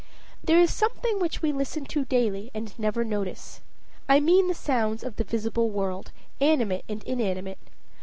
There is something which we listen to daily and never notice. I mean the sounds of the visible world, animate and inanimate.